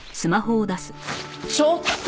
ちょっと！